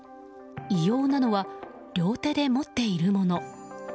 異様なのは両手で持っているもの。